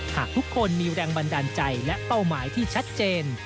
หากทุกคนมีแรงบันดาลใจและเป้าหมายที่ชัดเจน